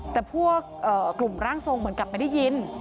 แต่พวกกลุ่มร่างทรงเหมือนกับไม่ได้ยิน